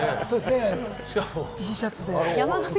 Ｔシャツも。